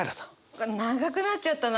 長くなっちゃったな。